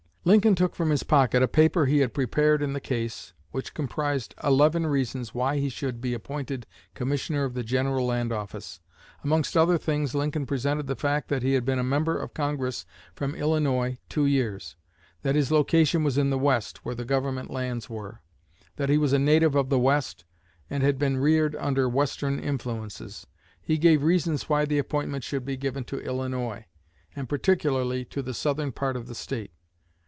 Lincoln took from his pocket a paper he had prepared in the case, which comprised eleven reasons why he should be appointed Commissioner of the General Land Office. Amongst other things Lincoln presented the fact that he had been a member of Congress from Illinois two years; that his location was in the West, where the government lands were; that he was a native of the West, and had been reared under Western influences. He gave reasons why the appointment should be given to Illinois, and particularly to the southern part of the State.